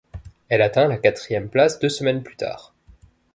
Elle atteint la quatrième place deux semaines plus tard.